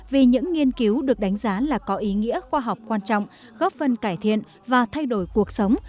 vì những nghiên cứu được đánh giá là có ý nghĩa khoa học quan trọng góp phần cải thiện và thay đổi cuộc sống